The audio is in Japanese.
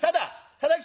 定吉！